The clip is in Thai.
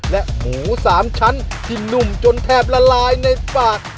และหมู๓ชั้นที่นุ่มจนแทบละลายในปาก